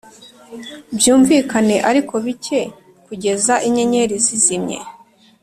byumvikane ariko bike kugeza inyenyeri zizimye.